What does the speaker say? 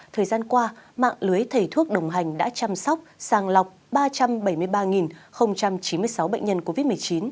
thời gian qua mạng lưới thầy thuốc đồng hành đã chăm sóc sàng lọc ba trăm bảy mươi ba chín mươi sáu bệnh nhân covid một mươi chín